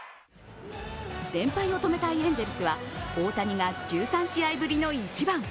連敗を止めたいエンゼルスは大谷が１３試合ぶりの１番。